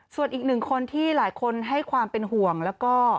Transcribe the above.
ส่วนอีกหนึ่งคนที่หลายคนให้ความเป็นห่วงแล้วก็